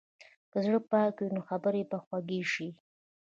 که زړه پاک وي، نو خبرې به خوږې شي.